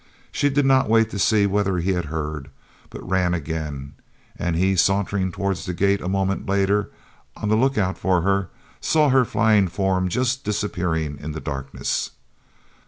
She did not wait to see whether he had heard, but ran again, and he, sauntering towards the gate a moment later on the look out for her, saw her flying form just disappearing in the darkness.